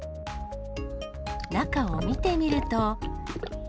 中を見てみると。